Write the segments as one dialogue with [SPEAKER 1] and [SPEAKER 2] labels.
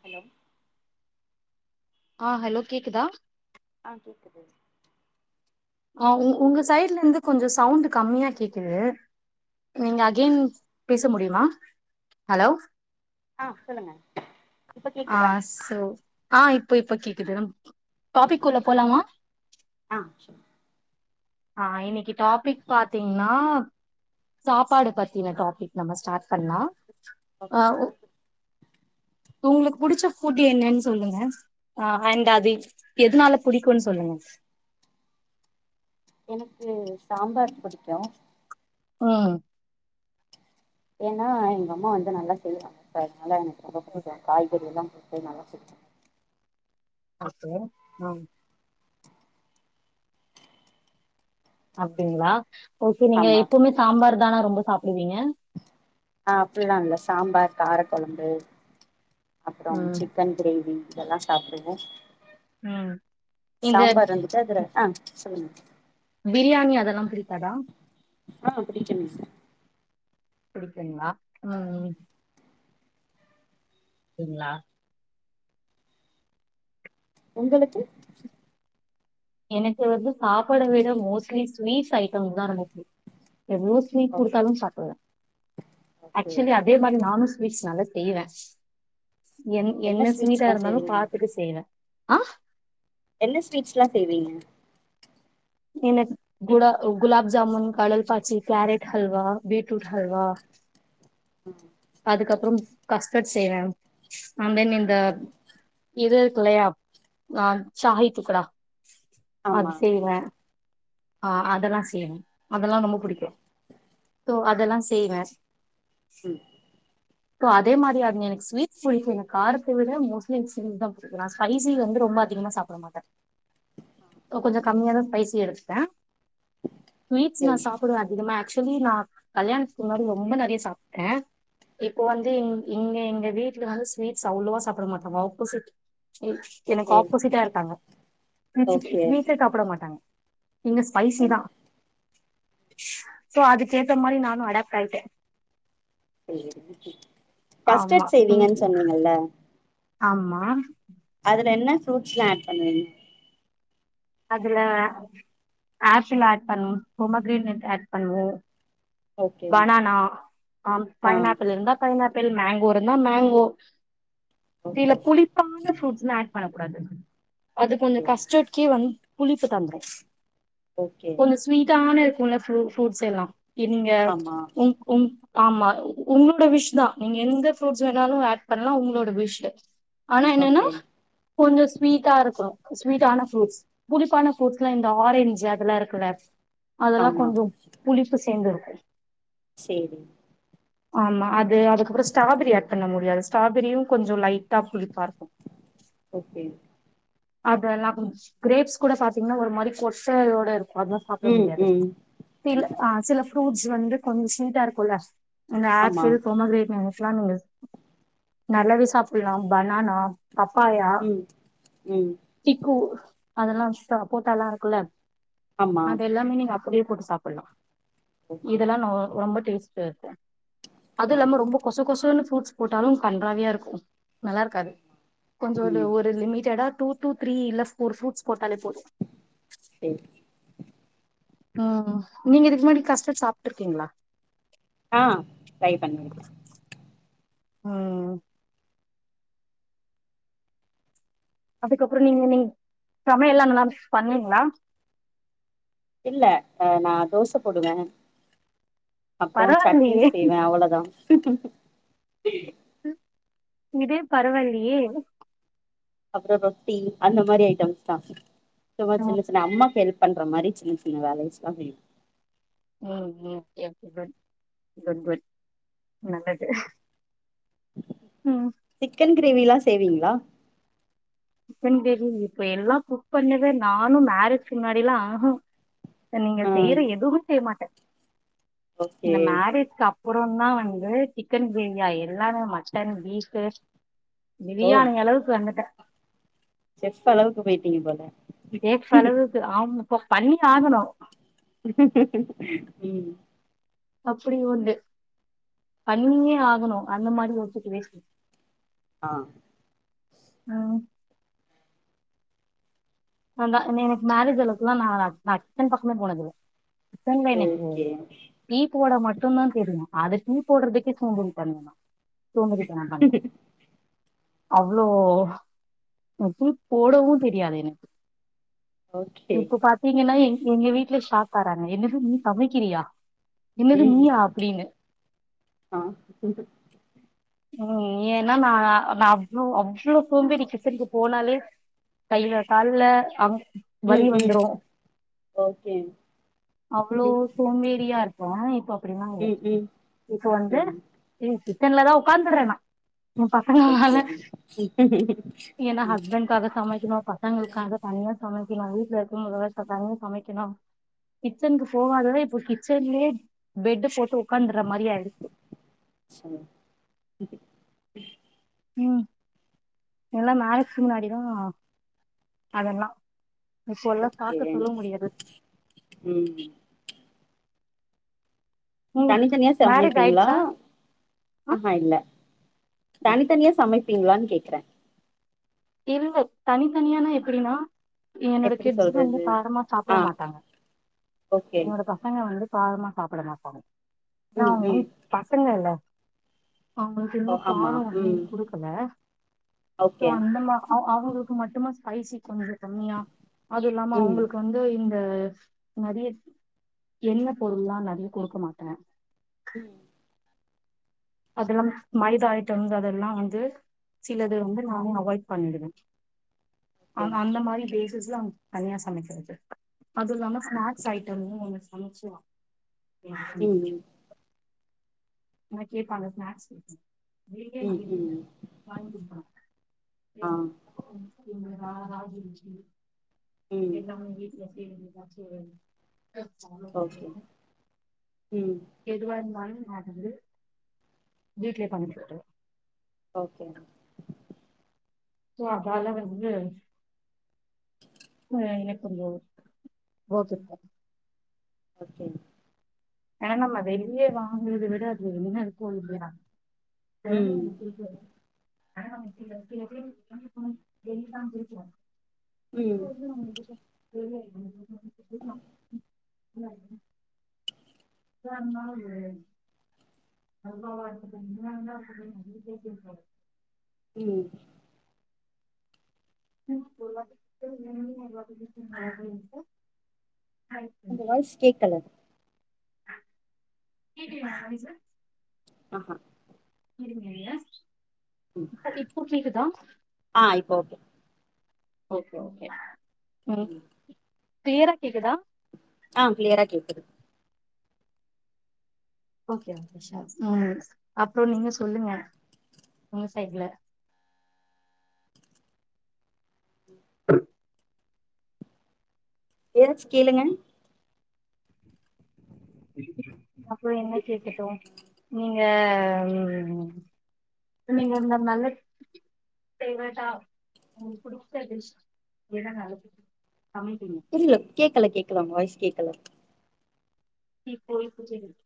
[SPEAKER 1] Hello
[SPEAKER 2] ஆஹ் hello கேக்குதா
[SPEAKER 1] ஆ கேக்குது
[SPEAKER 2] ஆ உ உங்க சைடல இருந்து கொஞ்சம் சவுண்ட் கம்மியா கேக்குது நீங்க அகெய்ன் பேச முடியுமா ஹலோ
[SPEAKER 1] ஆ சொல்லுங்க இப்ப
[SPEAKER 2] ஆ
[SPEAKER 1] கேக்குதா
[SPEAKER 2] சொ ஆ இப்ப இப்ப கேக்குது டாபிக்கூல போலாமா
[SPEAKER 1] ஆ சொல்லு
[SPEAKER 2] ஆ என்னைக்கி டாபிக் பாத்தீங்கன்னா சாப்பாடு பத்தின டாபிக் நம்ம ஸ்டார்ட் பன்லாம்
[SPEAKER 1] ஓகே
[SPEAKER 2] உங்களுக்கு புடிச்ச ஃபுட் என்னன்னு சொல்லுங்க அ அண்ட் அது எதனால புடிக்கும்ன்னு சொல்லுங்க
[SPEAKER 1] எனக்கு சாம்பார் பிடிக்கும்
[SPEAKER 2] ம்
[SPEAKER 1] ஏன்னா எங்க அம்மா வந்து நல்லா செய்யறாங்க சோ அதனால ரொம்ப பிடிக்கும் காய்கறி எல்லாம் போய் நல்லா சுத்த
[SPEAKER 2] அத்து ம் அப்டிங்களா ஓகே நீங்க
[SPEAKER 1] ஆமா
[SPEAKER 2] எப்வுமே சாம்பார் தன ரொம்ப சாப்படுவீங்க
[SPEAKER 1] ஆ அப்டிலாம் இல்ல சாம்பார் கார குழம்பு அப்பறம்
[SPEAKER 2] ம்
[SPEAKER 1] சிக்கன் கிரேவி இதெல்லாம் சாப்படுவு
[SPEAKER 2] ம் இந்த
[SPEAKER 1] சாம்பார் வந்துச்சு அதுல ஆ சொல்லுங்க
[SPEAKER 2] பிரியாணி அதெல்லாம் பிடிக்காத
[SPEAKER 1] ஆ புடிக்குங்க சார்
[SPEAKER 2] பிடிக்குங்களா ம்ம் ங்களா
[SPEAKER 1] உங்களுக்கு
[SPEAKER 2] எனக்கு வந்து சாப்பாட விட மோஸ்ட்லி ப் ஸ்வீட்ஸ் ஐட்டம் தான் ரொம்ப புடிக்கும் எவ்வளோ ஸ்வீட்
[SPEAKER 1] ஓ
[SPEAKER 2] கொடுத்தாலும் சாப்டுவேன்
[SPEAKER 1] ஓகே
[SPEAKER 2] ஆக்சுவலி அதே மாரி நானும் வீட்ஸ் நல்லா செய்வேன் என் என்ன ஸ்வீட்டா
[SPEAKER 1] ஸ்வீட்ஸ்லா
[SPEAKER 2] இருந்தாலும்
[SPEAKER 1] செய்வீங்க
[SPEAKER 2] பாத்துட்டு செய்வேன் ஆ
[SPEAKER 1] என்ன ஸ்வீட்ஸ்ல்லாம் செய்வீங்க
[SPEAKER 2] எனக்கு குா குலாப் ஜாமூன் கடல் பாாய்ச்சி கேரட் ஹல்வா பீட்ரூட் ஹல்வா
[SPEAKER 1] [unintelligible]
[SPEAKER 2] அதுக்கப்பறம் கஸ்டர்ட் செய்வேன் அந்தன் இந்த எது கொலயாப் சாஹித்துக்கடா அது
[SPEAKER 1] ஆமா
[SPEAKER 2] செய்றன் ஆஹ் அதெல்லாம் செய்வேன் அதெல்லாம் ரொம்ப பிடிக்கும் சோ அதெல்லாம் செய்வேன்
[SPEAKER 1] [inaudible]
[SPEAKER 2] சோ அதே மாதிரி அவிங்க எனக்கு ஸ்வீட்ஸ் புடிக்கும் எனக்கு காரத்தை விட மோஸ்ட்லி எனக்குதான் புடிக்கும் நான் ஸ்பைசி வந்து ரொம்ப அதிகமா சாப்புட மாட்டேன் கொஞ்சம் கம்மியாதான் ஸ்பைசி எடுத்தப்பன் ஸ்வீட்ஸ்
[SPEAKER 1] ஓகே
[SPEAKER 2] நான் சாப்பிடுவே அதிகமாக ஆக்சுவலி நான் கல்யாணத்துக்கு முன்னாடி ரொம்ப நரிய சாப்பிட்டேன் இப்போ வந்து இங்க எங்க வீட்டுல வந்து ஸ்வீட்ஸ் அவ்வளோவா சாப்பிட மாட்டோங்க ஆபோசிட் எனக்கு
[SPEAKER 1] ஓ
[SPEAKER 2] ஆப்போசிட்டா இருக்காங்க
[SPEAKER 1] ஓகே
[SPEAKER 2] ஸ்வீட்டே சாப்பிட மாட்டாங்க நீங்க
[SPEAKER 1] ஓ
[SPEAKER 2] ஸ்பைசி தான் சோ அதுக்கேதமாரி நானும் அடாப்ட் ஆய்ட
[SPEAKER 1] ச [inaudible] கஸ்டர்ட் செய்வீங்கன்னு
[SPEAKER 2] உம்
[SPEAKER 1] சொன்னீங்கல்ல
[SPEAKER 2] ஆமா
[SPEAKER 1] அதுல என்ன பூருட்ஸ்லாம் ஆட் பண்ணவீங்க
[SPEAKER 2] அதுல ஆப்பிள் ஆட் பண்ணுவோம் போமோகெரேணட் ஆட் பண்ணுவோம்
[SPEAKER 1] ஓகே
[SPEAKER 2] பனானா ஆ பைனாப்பிள் இருந்தா பைனாப்பிள் மேங்கோ இருந்தா மேங்கோ சில
[SPEAKER 1] ஓகே
[SPEAKER 2] புளிப்பான ஃப்ரூட்ஸ் ஆட் பண்ண கூடாது அது கொஞ்சம்
[SPEAKER 1] ஓகே
[SPEAKER 2] கஸ்டர்ட்கே வந்து புளிப்பு தந்துரும்
[SPEAKER 1] ஓகே
[SPEAKER 2] ஓன்னு ஸ்வீட்டா ஆன ரூட்ஸ் எல்லாம் நீங்க [unintelligible]
[SPEAKER 1] ஆமா
[SPEAKER 2] உம் உம் ஆமா உங்களோட விஷ் தான் நீங்க எந்த ஃப்ரூட்ஸ் வேணாலும் ஆட் பண்ணலாம் உங்களோட விஷ் ஆனா என்னன்னா
[SPEAKER 1] ஓகே
[SPEAKER 2] கொஞ்சம் ஸ்வீட்டா இருக்கனும் ஸ்வீட்டா ஆன ப்ரூட்ஸ் புளிப்பான ப்ரூட்ஸ் எல்லாம் இந்த ஆரேஞ்சு அதெல்லாம் இருக்குல அதெல்லாம்
[SPEAKER 1] ஆமா
[SPEAKER 2] கொஞ்சம் புளிப்பு சேந்தது
[SPEAKER 1] சரி
[SPEAKER 2] ஆமா அ அதுக்கப்பறம் ஸ்ட்ராபெரி ஆட் பண்ண முடியாது ஸ்ராபெரியும் கொஞ்சம் லைட் லைட்டா புளிப்பா இருக்கும்
[SPEAKER 1] ஓகே
[SPEAKER 2] அத கிரேப்ஸ் கூட பாத்தீங்கன்னா ஒரு மாதிரி கொட்டையோட சாப்பிட
[SPEAKER 1] ம்
[SPEAKER 2] முடியாது
[SPEAKER 1] ம் ஆமா
[SPEAKER 2] சில ப்ருட்ஸ் வந்து கொ விஷய தார் இருக்கல்லா [unintelligible] இந்த
[SPEAKER 1] ஆமா
[SPEAKER 2] ஆப்சீல் போமகிரடிங் வாங்கு நல்லாவ சாப்பிடலாம் பனானா அப்பாயா
[SPEAKER 1] ம் ம்
[SPEAKER 2] திக்கு அதெல்லாம் போட்டெல்லாம் இருக்குல்ல
[SPEAKER 1] ஆமா
[SPEAKER 2] அதெல்லாமே நீங்க அப்படியே போட்டு சாப்பிடலாம்
[SPEAKER 1] ஓகே
[SPEAKER 2] இதெல்லாம் ரொம்ப டேஸ்ட் சரி அது
[SPEAKER 1] ஆ
[SPEAKER 2] இல்லாம ரொம்ப கொச கொசன்னு புரூட்ஸ் போட்டாலும் கண்றாவையா இருக்கும் நல்லா இருக்காது கொஞ்சம் ஒரு
[SPEAKER 1] ம்
[SPEAKER 2] ஒரு லிமிட்டெடா டூடூ த்ரி இல்ல ஒரு புரூட்ஸ் மட்டும் தல போ
[SPEAKER 1] சேரி
[SPEAKER 2] உஹம் நீங்க இதுக்கு முன்னாடி கஸ்டர்ட் சாப்பிட்டு இருக்கீங்களா
[SPEAKER 1] ஆஹ் ட்ரை பண்ணி இருக்கேன்
[SPEAKER 2] உஹம் அதுக்கப்புறம் நீங்க நீ சமையல் எல்லாம் நல்லா பண்ணீங்களா
[SPEAKER 1] இல்ல நான் தோசை போடுவேன் அப்புறம் சட்னி
[SPEAKER 2] பரவாயில்லையே
[SPEAKER 1] செய்வேன் அவ்வளவுதான் சத்த சம் [unintelligible]
[SPEAKER 2] இதே பரவாயில்லையே
[SPEAKER 1] அப்புறம் ரொட்டி அந்த மாதிரி ஐட்டம்ஸ் தான் சும்மா
[SPEAKER 2] ம்
[SPEAKER 1] சொல்ல சொன்னன் அம்மா பேரு பண்ற மாதிரி சின்ன சின்ன வேலையெல்லாம் செய்யும்
[SPEAKER 2] உஹம் ே நல்லது [unintelligible] ம்
[SPEAKER 1] சிக்கன் கிரேவி எல்லாம் செய்வீங்களா
[SPEAKER 2] சிக்கன் கிரேவி இப்ப எல்லாம் புக் பண்ணத நானும் மேரேஜ் முன்னாடியெல்லாம் உகூம் நீங்க
[SPEAKER 1] ஆ
[SPEAKER 2] செய்யற எதுமே செய்ய மாட்டேன்
[SPEAKER 1] ஓகே
[SPEAKER 2] இந்த மேரேஜ்சப் அப்புறம்தான் வந்து சிக்கன் கிரேவியா எல்லாமே மட்டன் பீஃப்
[SPEAKER 1] ஓ
[SPEAKER 2] பிரியாணி அளவுக்கு வந்துட்ட
[SPEAKER 1] செஃப் அளவுக்கு போயிட்டீங்க போல
[SPEAKER 2] சோஃப் அளவுக்கு ஆம் இப்ப பண்ணி ஆகணும்
[SPEAKER 1] [inaudible] உம்
[SPEAKER 2] அப்படி ஒண்டு பண்ணி ஆகணும் அந்த மாரி ஒர்க்கூ வேண்
[SPEAKER 1] ஆஹ்
[SPEAKER 2] ம் அதன் நி எனக்கு மேரேஜ் அளவுக்குலாம் நான் நான் கிச்சன் பக்கமே போனதுல புத்தங்ங எனக்கு
[SPEAKER 1] ஓகே
[SPEAKER 2] விட் டி போட மட்டும்தான் தெரியும் அதை டி போடுறதுக்கே சேம்போரி பண்ணா சோபறி தன பண்ணு அவ்ளோ டி போடவும் தெரியாது எனக்கு
[SPEAKER 1] ஓகே
[SPEAKER 2] இப்போ பாத்தீங்கன்னா என் எங்க வீட்டு்ல சாக்அராங்ங என்னது நீ சமைக்கிறியா என்னது
[SPEAKER 1] உம்
[SPEAKER 2] நீயா அப்டின்னு
[SPEAKER 1] ஆஹ்
[SPEAKER 2] உஹம் ஏ ஏன்னா நான் நான் அவ்ளோ அவ்வளோ சோம்பேரி கிச்சனுக்கு போனாலே கையில கால்ல வலி
[SPEAKER 1] ம் ம்
[SPEAKER 2] வந்துரும்
[SPEAKER 1] ஓகே
[SPEAKER 2] அவ்வளோ
[SPEAKER 1] ம்
[SPEAKER 2] சோமேறியா இருப்போம் இப்ப அப்படிலாம் இல்
[SPEAKER 1] ம்
[SPEAKER 2] இப்ப வந்து
[SPEAKER 1] ம்
[SPEAKER 2] இசி தென்னாத ஒப் பந்துறேணா என் பசங்கனால
[SPEAKER 1] ஓகே
[SPEAKER 2] என்ன
[SPEAKER 1] ம்
[SPEAKER 2] ஹஸ்பண்ட்காக சமைக்கணும் பசங்களுக்காக ச தனியாக சமைக்கணும் வீட்டல இருக்கும் வோர தனியாக சமைக்கணும் கிச்சனுக்கு போகாத இப்போ கிச்சன்லயே பெட்டு போட்டு ஒக் ஒக்கந்திர மரியரியைச்சு
[SPEAKER 1] உம் [unintelligible]
[SPEAKER 2] உம் எல்லாம் மேரேஸ் முன்னாடிதான் அதெல்லாம்
[SPEAKER 1] ஓகே உம்
[SPEAKER 2] ம்
[SPEAKER 1] தனித்தனியா
[SPEAKER 2] மேரேஜ்
[SPEAKER 1] சமைப்பீங்களா
[SPEAKER 2] ஆயிடுச்சா ஆ
[SPEAKER 1] ஆஹஹா இல்ல தனித்தனியா சமைப் அப்படிங்களான்னு கேக்குறேன்
[SPEAKER 2] இல்ல தனி தனியானா எப்புடினா என்னோட
[SPEAKER 1] எப்டி
[SPEAKER 2] கிட்ஸ் வந்து
[SPEAKER 1] சொல்றது
[SPEAKER 2] காரமா சாப்பிட
[SPEAKER 1] ஆ
[SPEAKER 2] மாட்டாங்க
[SPEAKER 1] ஓகே
[SPEAKER 2] என்னோட பசங்க வந்து காரமா சாப்பிட மா இருபங்ங
[SPEAKER 1] ம்
[SPEAKER 2] நான் உ
[SPEAKER 1] ம்
[SPEAKER 2] ன் பசங்க இல்ல அவங்களுக்கு
[SPEAKER 1] ஓ
[SPEAKER 2] இன்னும்
[SPEAKER 1] ஆமா
[SPEAKER 2] காரம் ஒன்னு
[SPEAKER 1] ம்
[SPEAKER 2] குடுக்கல சே
[SPEAKER 1] ஓகே
[SPEAKER 2] அந்த அவுங்களுக்கு மட்டுமா ஸ்பைசி கொஞ்ச கம்மியா அது இல்லாம
[SPEAKER 1] ம்
[SPEAKER 2] அவுங்களுக்கு வந்து இந்த ஹ நெறைய எண்ண பொருள் எல்லாம் நெறைய கொடுக்க மாட்டேன்
[SPEAKER 1] உம்
[SPEAKER 2] அதெல்லாம மைத ஆயிட்டம்ஸ் அதெல்லாம் வந்து சிலது வந்து நானும் அவாய்ட் பண்ணிடுவேன் அ
[SPEAKER 1] ஓகே
[SPEAKER 2] அந்த மாதிரி டிஸ்லாம் தனியா சமைக்கிறது அது இல்லாம ஸ்னாக்ஸ் ஐட்டமும் நிச்யா ஹாயிம்
[SPEAKER 1] ம்
[SPEAKER 2] ந கேட்பாங்க ஸ்நாக்ஸ்
[SPEAKER 1] ம் ம் ம் ஆ
[SPEAKER 2] [unintelligible] உம் யாராவது [unintelligible] உம்
[SPEAKER 1] ம் ஓகே ம்
[SPEAKER 2] எதுவ இருந்தாலும் நான் வந்து வீட்லயே பண்ணிட்டு
[SPEAKER 1] ஓகேங்க
[SPEAKER 2] சோ அதால வந்து ஹ எனக்கும் போதும் ஓகே
[SPEAKER 1] ஓகே
[SPEAKER 2] ஏன்னா நம்ம வெளிய வாங்கதரவிட அதுல என்ன இருக்கோம் இல்லய வேறய
[SPEAKER 1] ம்
[SPEAKER 2] அனுப்பிருக்கே ஆஹா கேக்குது இப்ப வந்து உம்-உம்
[SPEAKER 1] கும்
[SPEAKER 2] இல்ல எப்டிய இருந்தாலும்
[SPEAKER 1] உம்
[SPEAKER 2] உம் போலம்
[SPEAKER 1] உங்க வாய்ஸ் கேக்கல
[SPEAKER 2] கேக்குதா வாய்ஸ்
[SPEAKER 1] ஹா ஹ
[SPEAKER 2] இருங்க-இருங்க சார் இப்போ கேக்குதா
[SPEAKER 1] ஆ இப்போ ஓகே
[SPEAKER 2] ஓகே-ஓகே [unintelligible] பேர கேக்குதா
[SPEAKER 1] ஆஹ் கிளியரா கேக்குது
[SPEAKER 2] ஓகேஓகேஷார் அப்புறம் நீங்க சொல்லுங்க உங்க சைட்ல ஹ
[SPEAKER 1] ஏதாச்சும் கேளுங்க
[SPEAKER 2] [unintelligible] அப்புறம் என்ன கேக்கட்டும் நீ ஏ நீங்க நல்ல [unintelligible]
[SPEAKER 1] புரியில கேக்ல கேக் எல்லாம் வாய்ஸ் கேட்கலா
[SPEAKER 2] நீ போயி பிச்சை எடு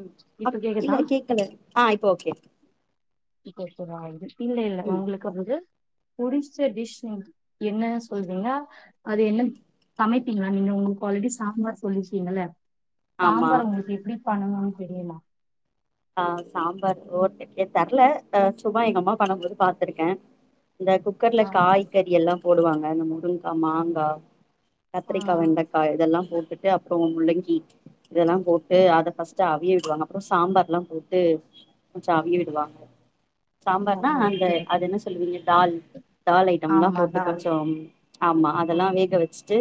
[SPEAKER 1] ம் ஆஹ்இல்ல கேக்கல ஆஹ் இப்போ ஓகே
[SPEAKER 2] இப்ப இப்பதான் வந்து இல்ல இல்ல
[SPEAKER 1] ம்
[SPEAKER 2] உங்களுக்கு அவ்வளது புடிச்ச டிஸ் என்ன சொல்வீங்க அது என்ன தமைப்பீங்களா நீங்க உங்களுக்கு ஆல்ரெடி சாப்பார் சொல்லிச்சீங்களல்ல
[SPEAKER 1] ஆமா
[SPEAKER 2] சாம்பாரு உங்களுக்கு எப்படிப் பண்ணுவாங்னு தெரியலா
[SPEAKER 1] ஆ சாம்பார் ஓக்கே ஏ தரல சும்மா எங்க அம்மா பண்ணும்போது பாத்துருக்கேன் இந்த குக்கர்ல
[SPEAKER 2] ஆ
[SPEAKER 1] காய்கறியல்லாம் போடுவாங்க இந்த முருங்காய் மாங்காய்
[SPEAKER 2] ஆ
[SPEAKER 1] கத்திரிக்கா வெண்டக்காய் இதெல்லாம் போட்டு ட்டு அப்புறம் முள்ளங்கி இதெல்லாம் போட்டு அதை பஸ்ட் அவியல் விடுவாங்க அப்புறம் சாம்பார் எல்லாம் போட்டு கொஞ்சம் அவிய விடுவாங்க சாம்பார்னா அந்த
[SPEAKER 2] ஓகே
[SPEAKER 1] அது
[SPEAKER 2] ஓகே
[SPEAKER 1] என்ன சொல்லுவீங்க தால் தால் ஐட்டம் எல்லாம்
[SPEAKER 2] ஆமா
[SPEAKER 1] போட்டு
[SPEAKER 2] தால்
[SPEAKER 1] கொஞ்சம் ஆமா அதெல்லாம்
[SPEAKER 2] ம்.
[SPEAKER 1] வேக வச்ட்டு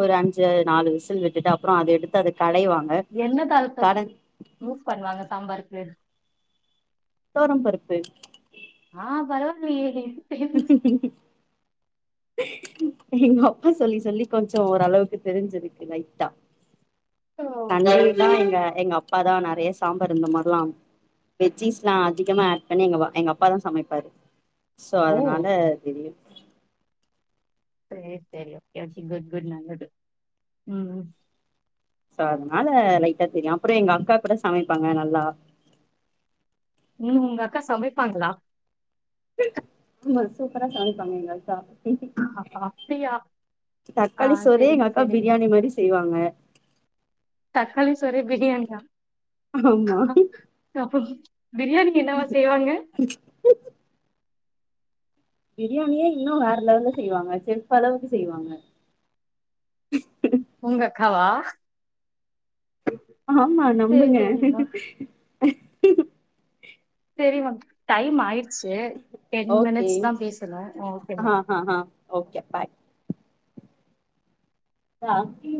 [SPEAKER 1] ஒரு அஞ்சு நாலு விசில் விட்டுட்டு அப்புறம் அது யடுத்து அதுக்கு
[SPEAKER 2] என்ன தால் த யூஸ் பண்ணுவாங்க சாம்பாருக் சரி
[SPEAKER 1] தோரம் பருப்பு
[SPEAKER 2] ஆஹ் பரவால்லயே
[SPEAKER 1] ம்ம்ம் எங்க அப்பா சொல்லி சொல்லி கொஞ்சம் ஓரளவுக்கு தெரிஞ்சிருக்கு லைட்டா
[SPEAKER 2] ஓகே
[SPEAKER 1] தஞ்சாவூர் தான்
[SPEAKER 2] ஓகே
[SPEAKER 1] எங்க எங்க அப்பா அப்பாதான் நிறைய சாம்பார் இந்த மாதிரிலாம் வெஜ்ஜிஸ் எல்லாம் அதிகமா ஆட் பண்ணி எங்க எங்க அப்பாதான் சமைப்பாரு சோ
[SPEAKER 2] ஓ
[SPEAKER 1] அதனால தெரியும்
[SPEAKER 2] சரி சரி ஓகே கே குட் குட் நல்லது உம்
[SPEAKER 1] சோ அதனால லைட்டா தெரியும் அப்புறம் எங்க அக்கா கூட சமைப்பாங்க நல்லா
[SPEAKER 2] உம் உங்க அக்கா சமைப்பாங்களா
[SPEAKER 1] ஆ சூப்பரா சாமிப்பாங்க எங்க அக்கா
[SPEAKER 2] அப்டியா ஆ
[SPEAKER 1] தக்காளி சோறே
[SPEAKER 2] சேரி
[SPEAKER 1] எங்க அக்கா
[SPEAKER 2] சேரிங்க
[SPEAKER 1] பிரியாணி மாதிரி செய்வாங்க
[SPEAKER 2] தக்காளி சோறே பிரியாணி யா
[SPEAKER 1] ஆமா
[SPEAKER 2] பிரியாணி என்னவா செய்வாங்க
[SPEAKER 1] பிரியாணியே இன்னும் வேறலவல செய்வாங்க செப் அளவுக்கு செய்வாங்க
[SPEAKER 2] உங்கக்காவா
[SPEAKER 1] ஆமா
[SPEAKER 2] சேரி
[SPEAKER 1] நம்புங்க
[SPEAKER 2] சேரிங்க
[SPEAKER 1] [inaudible]
[SPEAKER 2] சரி மேம் டைம் ஆயிடி சே டென்
[SPEAKER 1] ஓகே
[SPEAKER 2] மீனிட்ஸ் தான் பேசணும் ஓகே
[SPEAKER 1] ஆ
[SPEAKER 2] மேம்
[SPEAKER 1] ஆ ஆ ஓகே பாய் ஆஹ்